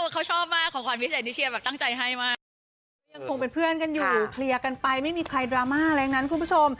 เขาชอบมากของขวัญพิเศษที่เชียร์ตั้งใจให้มาก